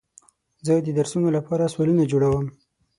زه د درسونو لپاره سوالونه جوړوم.